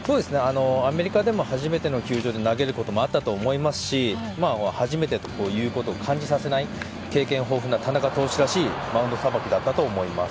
アメリカでも初めての球場で投げることもあったと思いますし初めてということを感じさせない経験豊富な田中投手らしいマウンドさばきだったと思います。